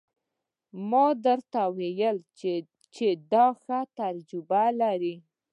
ما درته وويل چې دا ښه تجربه لري.